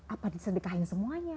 apa disedekahin semuanya